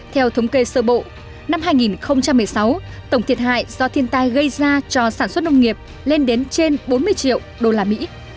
theo thống kê sơ bộ năm hai nghìn một mươi sáu tổng thiệt hại do thiên tai gây ra cho sản xuất nông nghiệp lên đến trên bốn mươi triệu đô la mỹ